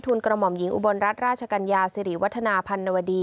ทุนกรมอ่อมหญิงอุบลรัฐราชกัญญาสรีวัฒนาพันธวดี